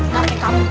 tapi tapi enggak